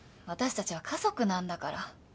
私たちは家族なんだから。